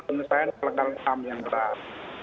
penyelesaian pelanggaran ham yang berat